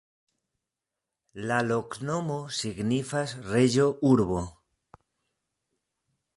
La loknomo signifas: reĝo-urbo.